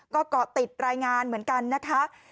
ก็เกาะติดรายงานเหมือนกันนะคะ